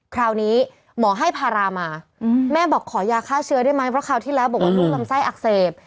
คราวนี้หมอให้พารามาแม่บอกขอยาฆ่าเชื้อได้ไหมเพราะคราวที่แล้วบอกว่าลูกลำไส้อักเสบ